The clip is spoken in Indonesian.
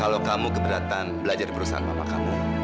kalau kamu keberatan belajar di perusahaan bapak kamu